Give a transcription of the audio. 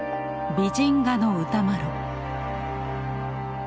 美人画の歌麿。